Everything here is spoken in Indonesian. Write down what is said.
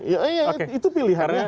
iya itu pilihannya